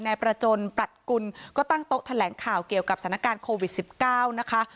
นายประจนปรัชกุลก็ตั้งโต๊ะแถลงข่าวเกี่ยวกับสถานการณ์โควิด๑๙นะคะ